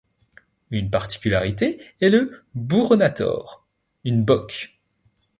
Une particularité est le Buronator, une bock.